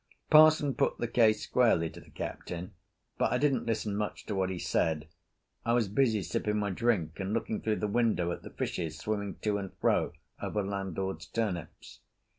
Parson put the case squarely to the Captain, but I didn't listen much to what he said; I was busy sipping my drink and looking through the window at the fishes swimming to and fro over landlord's turnips.